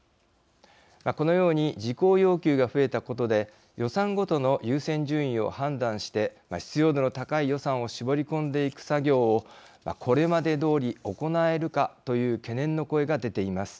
このように事項要求が増えたことで予算ごとの優先順位を判断して必要度の高い予算を絞り込んでいく作業をこれまでどおり行えるかという懸念の声が出ています。